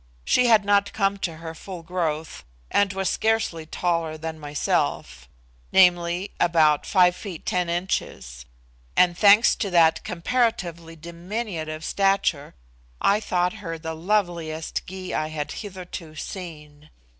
She had not come to her full growth, and was scarcely taller than myself (viz., about feet 10 inches), and, thanks to that comparatively diminutive stature, I thought her the loveliest Gy I had hitherto seen.